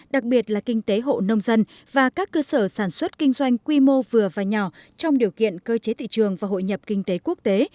đặc biệt là kinh tế hộ nông dân và các cơ sở sản xuất kinh doanh quy mô vừa và nhỏ trong điều kiện cơ chế thị trường và hội nhập kinh tế quốc tế